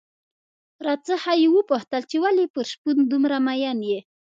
راڅخه یې وپوښتل چې ولې پر شپون دومره مين يې؟